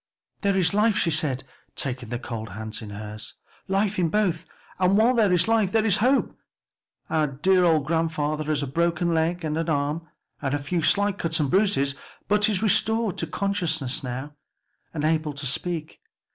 "There is life," she said, taking the cold hands in hers, "life in both; and 'while there is life there is hope.' Our dear old grandfather has a broken leg and arm and a few slight cuts and bruises, but is restored to consciousness now, and able to speak.